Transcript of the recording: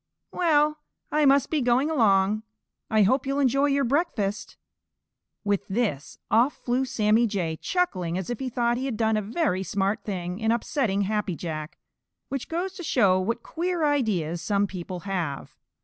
Well, I must be going along. I hope you'll enjoy your breakfast." With this, off flew Sammy Jay, chuckling as if he thought he had done a very smart thing in upsetting Happy Jack, which goes to show what queer ideas some people have.